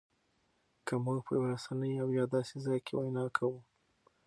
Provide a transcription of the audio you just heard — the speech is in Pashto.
که مونږ په یوه رسنۍ او یا داسې ځای کې وینا کوو